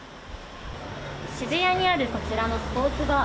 渋谷にあるこちらのスポーツバー。